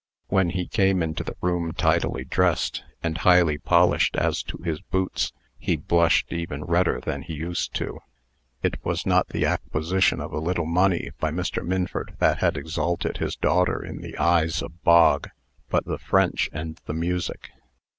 When he came into the room tidily dressed, and highly polished as to his boots, he blushed even redder than he used to. It was not the acquisition of a little money by Mr. Minford that had exalted his daughter in the eyes of Bog, but the French and the music.